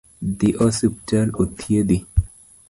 Dhi osiptal othiedhi.